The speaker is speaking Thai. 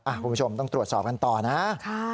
คุณผู้ชมต้องตรวจสอบกันต่อนะ